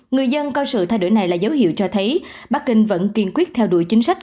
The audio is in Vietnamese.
người dân coi sự thay đổi này là dấu hiệu cho thấy bắc kinh vẫn kiên quyết theo đuổi chính sách